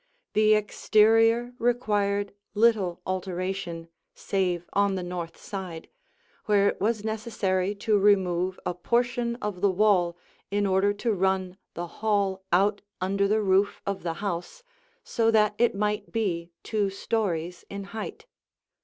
The exterior required little alteration, save on the north side, where it was necessary to remove a portion of the wall in order to run the hall out under the roof of the house so that it might be two stories in height.